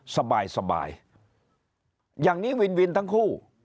สบายอย่างนี้วินทั้งคู่